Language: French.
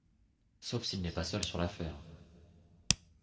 Sauf qu’il n’est pas seul sur l’affaire.